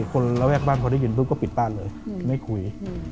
ระแวกบ้านพอได้ยินปุ๊บก็ปิดบ้านเลยไม่คุย